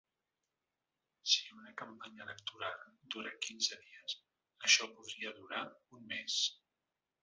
Si una campanya electoral dura quinze dies, això podria durar un mes.